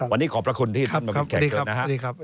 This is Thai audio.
วันนี้ขอบพระคุณที่ท่านมาพบแขกเกิดนะครับ